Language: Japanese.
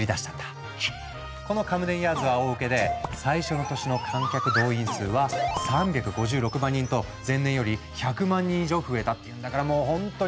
このカムデンヤーズは大ウケで最初の年の観客動員数は３５６万人と前年より１００万人以上増えたっていうんだからもうほんとにグレート！